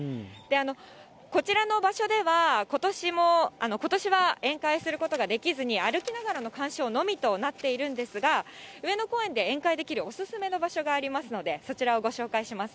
こちらの場所では、ことしは宴会することができずに、歩きながらの観賞のみとなっているんですが、上野公園で宴会できるお勧めの場所がありますので、そちらをご紹介します。